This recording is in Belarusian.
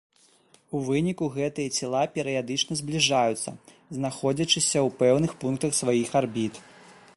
У выніку гэтыя цела перыядычна збліжаюцца, знаходзячыся ў пэўных пунктах сваіх арбіт.